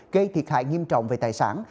gây thiệt hại nghiêm trọng về tài sản